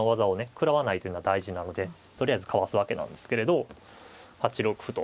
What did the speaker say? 食らわないというのは大事なのでとりあえずかわすわけなんですけれど８六歩と。